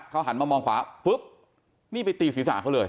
เขาหันมามองขวานี่ไปตีศีรษะคะเลย